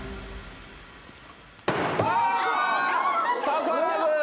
あ刺さらず！